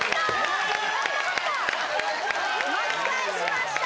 巻き返しました！